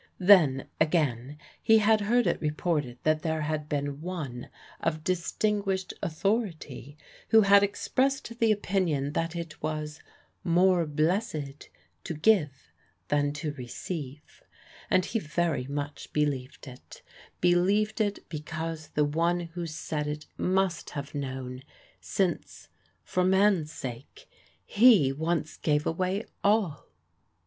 Then, again, he had heard it reported that there had been One of distinguished authority who had expressed the opinion that it was "more blessed to give than to receive," and he very much believed it believed it because the One who said it must have known, since for man's sake he once gave away ALL.